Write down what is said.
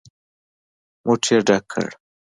موټ يې ډک کړ.